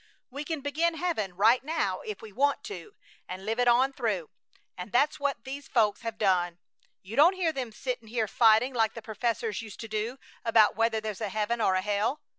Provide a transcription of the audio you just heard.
We can begin heaven right now if we want to, and live it on through; and that's what these folks have done. You don't hear them sitting here fighting like the professors used to do, about whether there's a heaven or a hell!